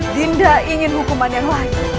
dinda ingin hukuman yang lain